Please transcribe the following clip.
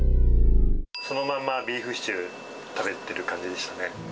そのままビーフシチューを食べてる感じでしたね。